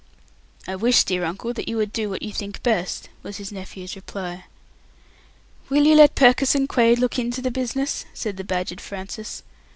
"I wish, my dear uncle, that you would do what you think best," was his nephew's reply. "Will you let Purkiss and Quaid look into the business?" said the badgered Francis.